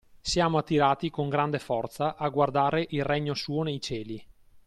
Siamo attirati con grande forza a guardare il Regno suo nei cieli.